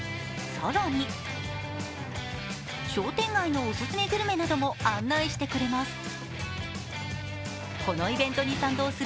更に商店街のオススメグルメなども案内してくれます。